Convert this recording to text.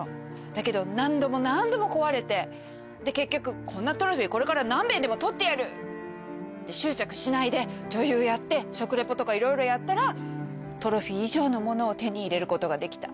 だけど何度も何度も壊れてで結局こんなトロフィーこれから何遍でも取ってやる！って執着しないで女優やって食リポとかいろいろやったらトロフィー以上のものを手に入れることができた。